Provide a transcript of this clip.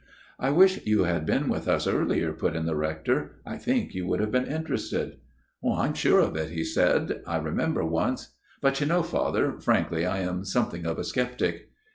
" I wish you had been with us earlier," put in the Rector. " I think you would have been interested." " I am sure of it," he said. " I remember once but you know, Father, frankly I am something of a sceptic."